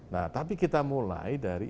nah tapi kita mulai dari